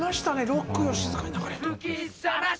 「ロックよ、静かに流れよ」。